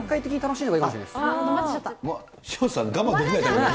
潮田さん、我慢できないから。